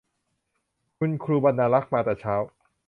คุณครูบรรณารักษ์มาแต่เช้า